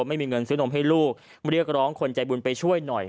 ไม่มีเงินซื้อนมให้ลูกเรียกร้องคนใจบุญไปช่วยหน่อย